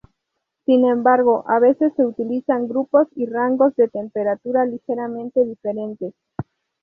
Sin embargo, a veces se utilizan grupos y rangos de temperatura ligeramente diferentes.